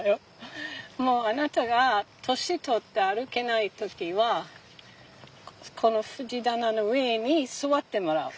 「もうあなたが年取って歩けない時はこの藤棚の上に座ってもらう」。